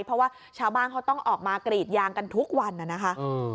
เพราะว่าชาวบ้านเขาต้องออกมากรีดยางกันทุกวันน่ะนะคะ